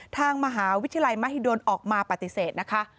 ทางมหาวิทยาลัยมหิดลออกมาปฏิเสธนะคะ